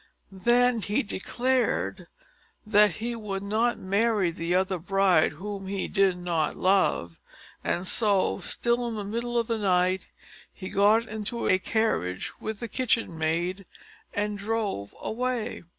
Then he declared he would not marry the other bride, whom he did not love; and so, still in the middle of the night, he got into a carriage with the kitchen maid, and drove away.